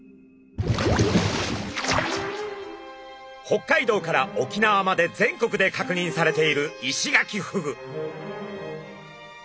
北海道から沖縄まで全国で確認されているイシガキフグ。